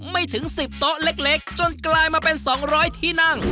ไม่ถึง๑๐โต๊ะเล็กจนกลายมาเป็น๒๐๐ที่นั่ง